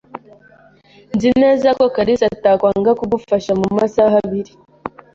Nzi neza ko kalisa atakwanga kugufasha mumasaha abiri.